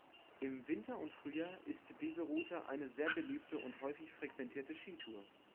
Im Winter und Frühjahr ist diese Route eine sehr beliebte und häufig frequentierte Skitour.